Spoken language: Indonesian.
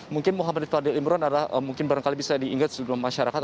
mungkin muhammadif fadil imran adalah mungkin barangkali bisa diingat sebelum masyarakat